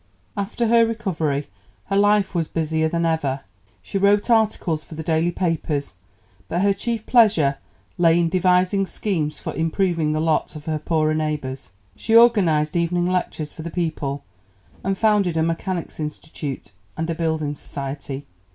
After her recovery her life was busier than ever. She wrote articles for the daily papers, but her chief pleasure lay in devising schemes for improving the lot of her poorer neighbours. She organized evening lectures for the people, and founded a Mechanics' Institute and a building society.